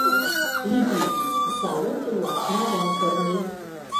Li diris: "Salutu la knabon por mi.